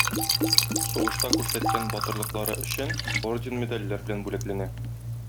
Сугышта күрсәткән батырлыклары өчен орден-медальләр белән бүләкләнә.